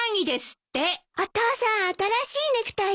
お父さん新しいネクタイね。